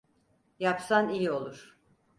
Yapsan iyi olur.